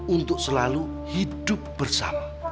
untuk selalu hidup bersama